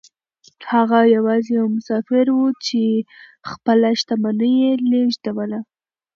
هغه يوازې يو مسافر و چې خپله شتمني يې لېږدوله.